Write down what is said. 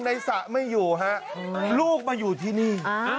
สระไม่อยู่ฮะลูกมาอยู่ที่นี่